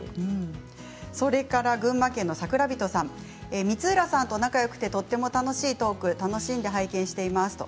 群馬県の方光浦さんと仲がよくて、とても楽しいトーク楽しんで拝見しています。